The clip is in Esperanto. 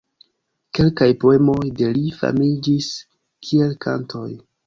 Kelkaj poemoj de li famiĝis kiel kantoj.